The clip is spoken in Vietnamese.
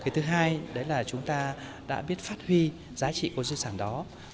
thứ hai đấy là chúng ta đã biết phát huy giá trị của di sản đó